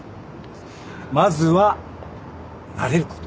まずは慣れること。